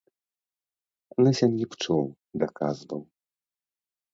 На сям'і пчол даказваў.